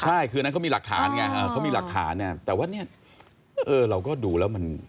ใช่คือนั้นเขามีหลักฐานไงแต่ว่าเนี่ยเออเราก็ดูแล้วมัน